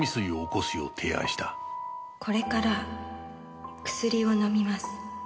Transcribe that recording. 「これから薬を飲みます」